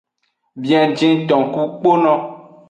Biejenton ku kpono.